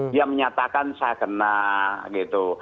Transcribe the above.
dia menyatakan saya kena gitu